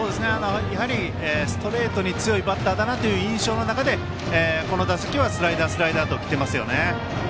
やはりストレートに強いバッターだなという印象の中で、この打席はスライダー、スライダーと来ていますね。